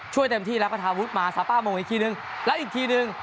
ช่วยเต็มที่แล้วก็ทาวุทธ์มาสาป้ามงอีกทีหนึ่งแล้วอีกทีหนึ่ง